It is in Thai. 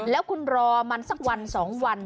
แล้วคุณรอมันสักวัน๒วัน